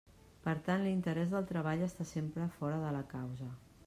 Per tant, l'interès del treball està sempre fora de la causa.